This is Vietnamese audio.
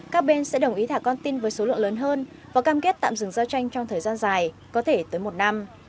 các bên sẽ đồng ý thả con tin với số lượng lớn hơn và cam kết tạm dừng giao tranh trong thời gian dài có thể tới một năm